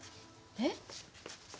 えっ？